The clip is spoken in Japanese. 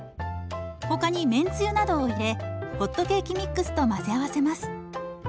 他にめんつゆなどを入れホットケーキミックスと混ぜ合わせます。